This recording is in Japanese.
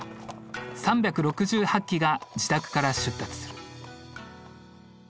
３６８騎が自宅から出立する。